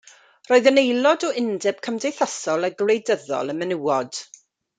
Roedd yn aelod o Undeb Cymdeithasol a Gwleidyddol y Menywod.